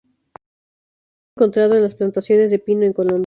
Se han encontrado en las plantaciones de pino en Colombia.